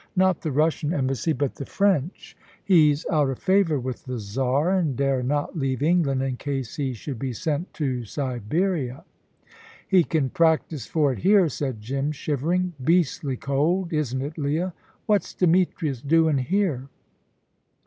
Not the Russian Embassy, but the French. He's out of favour with the Czar, and dare not leave England in case he should be sent to Siberia." "He can practise for it here," said Jim, shivering, "Beastly cold, isn't it, Leah? What's Demetrius doin' here?"